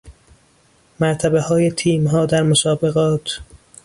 مرتبه های تیم ها در مسابقات